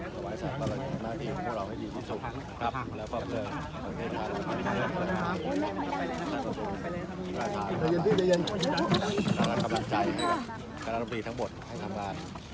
สวัสดีครับทุกคุณรักระแบบนี้ดีที่สุดครับ